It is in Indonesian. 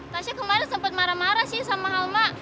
tasha kemarin sempet marah marah sih sama alma